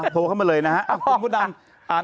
โทรเข้ามาเลยนะฮะ